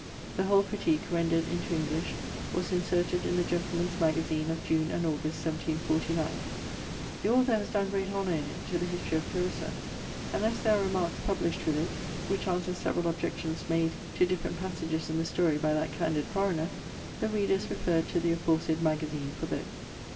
The whole Critique, rendered into English, was inserted in the Gentleman's Magazine of June and August, 1749. The author has done great honour in it to the History of Clarissa; and as there are Remarks published with it, which answer several objections made to different passages in the story by that candid foreigner, the reader is referred to the aforesaid Magazine for both.